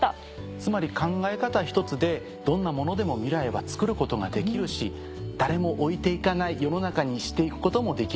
つまり考え方ひとつでどんなものでも未来はつくることができるし誰も置いて行かない世の中にして行くこともできる。